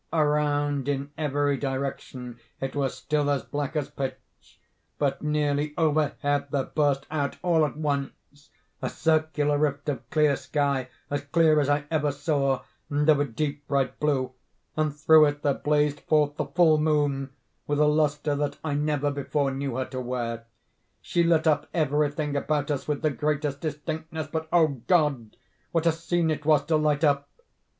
Around in every direction it was still as black as pitch, but nearly overhead there burst out, all at once, a circular rift of clear sky—as clear as I ever saw—and of a deep bright blue—and through it there blazed forth the full moon with a lustre that I never before knew her to wear. She lit up every thing about us with the greatest distinctness—but, oh God, what a scene it was to light up!